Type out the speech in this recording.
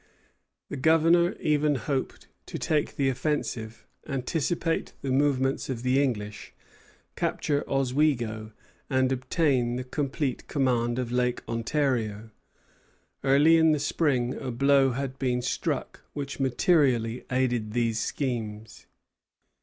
The Governor even hoped to take the offensive, anticipate the movements of the English, capture Oswego, and obtain the complete command of Lake Ontario. Early in the spring a blow had been struck which materially aided these schemes.